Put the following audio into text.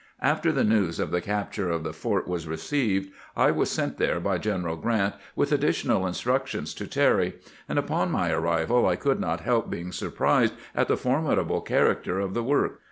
After the news of the capture of the fort was received, I was sent there by General Grant with additional instructions to Terry ; and upon my arrival I could not help being surprised at the formidable char acter of the work.